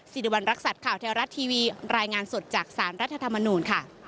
สิริวัณรักษัตริย์ข่าวแท้รัฐทีวีรายงานสดจากสารรัฐธรรมนูญค่ะ